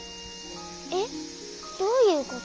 えっどういうこと？